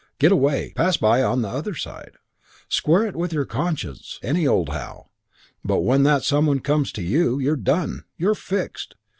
Get away. Pass by on the other side. Square it with your conscience any old how. But when that some one comes to you, you're done, you're fixed.